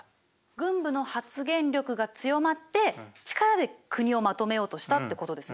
軍部の発言力が強まって力で国をまとめようとしたってことですね。